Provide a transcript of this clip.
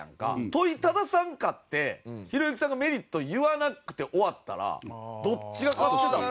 問いたださんかってひろゆきさんがメリット言わなくて終わったらどっちが勝ってた？